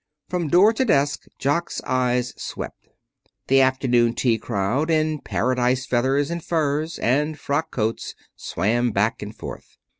From door to desk Jock's eyes swept. The afternoon tea crowd, in paradise feathers, and furs, and frock coats swam back and forth.